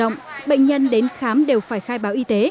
trong giai đoạn bệnh nhân đến khám đều phải khai báo y tế